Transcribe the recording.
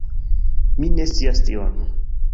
Mi ne scias tion